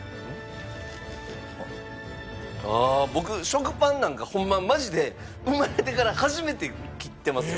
ああー僕食パンなんかホンママジで生まれてから初めて切ってますよ。